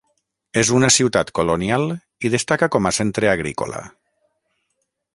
És una ciutat colonial i destaca com a centre agrícola.